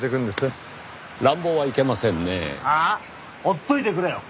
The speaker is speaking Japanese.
ほっといてくれよ。